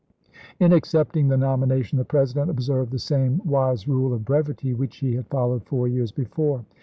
i8J64ne ms. In accepting the nomination the President ob served the same wise rule of brevity which he had followed four years before.